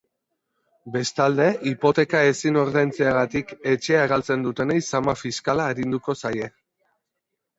Bestalde, hipoteka ezin ordaintzeagatik etxea galtzen dutenei zama fiskala arinduko zaie.